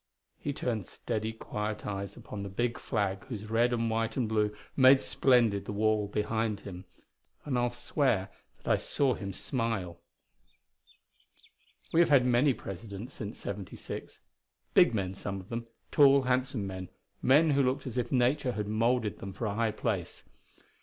He turned steady, quiet eyes upon the big flag whose red and white and blue made splendid the wall behind him and I'll swear that I saw him smile. We have had many presidents since '76; big men, some of them; tall, handsome men; men who looked as if nature had moulded them for a high place.